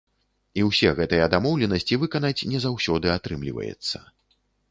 І ўсе гэтыя дамоўленасці выканаць не заўсёды атрымліваецца.